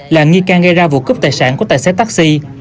là nghi can gây ra vụ cướp tài sản của tài xế taxi